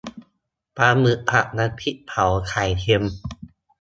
ปลาหมึกผัดน้ำพริกเผาไข่เค็ม